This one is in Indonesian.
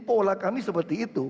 pola kami seperti itu